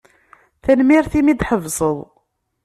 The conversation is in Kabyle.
Tanemmirt imi d-tḥebseḍ.